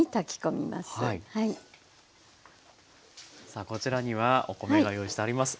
さあこちらにはお米が用意してあります。